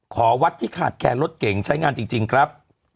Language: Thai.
วัดที่ขาดแคลนรถเก่งใช้งานจริงครับ